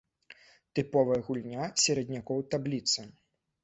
Тыповая гульня сераднякоў табліцы.